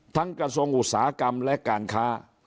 กระทรวงอุตสาหกรรมและการค้า